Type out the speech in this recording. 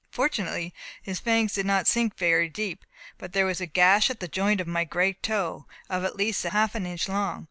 Fortunately his fangs did not sink very deep, but there was a gash at the joint of my great toe, of at least half an inch long.